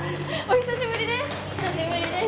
お久しぶりです。